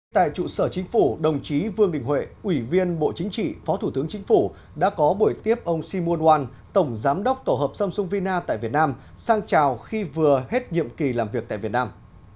tại trụ sở chính phủ đồng chí vương đình huệ ủy viên bộ chính trị phó thủ tướng chính phủ đã có buổi tiếp ông shimun oan tổng giám đốc tổ hợp samsung vina tại việt nam sang chào khi vừa hết nhiệm kỳ làm việc tại việt nam